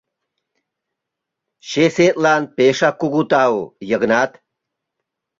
— Чесетлан пешак кугу тау, Йыгнат!